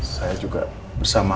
saya juga bersama